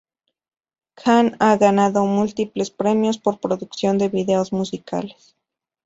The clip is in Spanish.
Kahn ha ganado múltiples premios por producción de videos musicales.